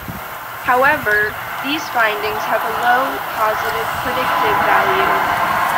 However, these findings have a low positive predictive value.